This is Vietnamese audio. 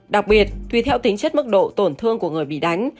đặc biệt tùy theo tính chất mức độ tổn thương của người bị đánh